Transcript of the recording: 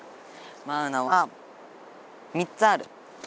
マウナは３つある。